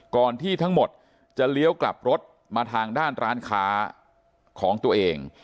ก่อนที่ทั้งหมดจะเลี้ยวกลับรถมาทางด้านร้านค้าของตัวเอง